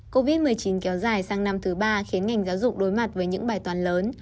covid một mươi chín kéo dài sang năm thứ ba khiến ngành giáo dục đối mặt với những bài toàn lớn